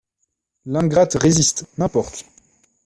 L'ingrate résiste ; n'importe.